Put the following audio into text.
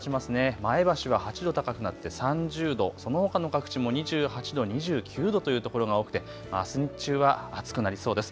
前橋は８度高くなって３０度、そのほかの各地も２８度、２９度というところが多くてあす日中は暑くなりそうです。